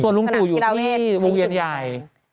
ส่วนลุงตู่อยู่ที่วงเวียนใหญ่